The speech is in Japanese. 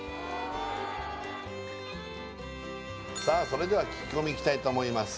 それでは聞き込みいきたいと思います